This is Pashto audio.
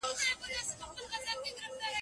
ښځه باید په پاکوالي او ښایست کې خپله هڅه وکړي.